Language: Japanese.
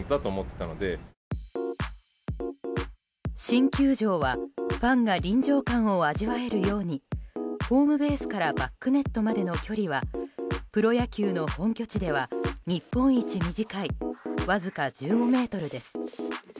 新球場はファンが臨場感を味わえるようにホームベースからバックネットまでの距離はプロ野球の本拠地では日本一短い、わずか１５ｍです。